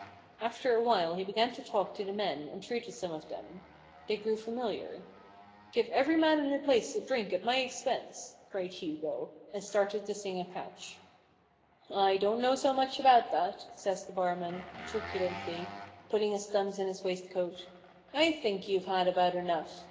After awhile he began to talk to the men, and treated some of them. They grew familiar. i( Give every man in the place a drink at my expense !" cried Hugo, and started to sing a catch. " I don't know so much about that !" says the barman, truculently — putting his thumbs in his waist coat; " I think you've had about enough.